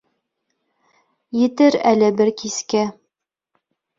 Етер әле бер кискә.